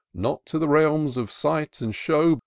Not to the reahns of sight and show.